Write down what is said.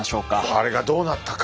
あれがどうなったか。